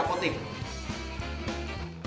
ibu tebus di apotek